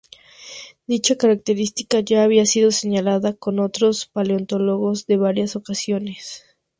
Dicha característica ya había sido señalada por otros paleontólogos en varias ocasiones.